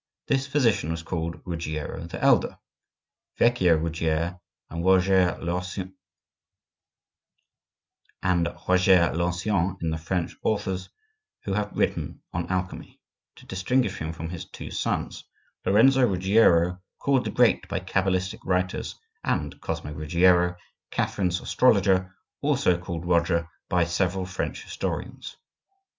This physician was called Ruggiero the Elder (Vecchio Ruggier and Roger l'Ancien in the French authors who have written on alchemy), to distinguish him from his two sons, Lorenzo Ruggiero, called the Great by cabalistic writers, and Cosmo Ruggiero, Catherine's astrologer, also called Roger by several French historians.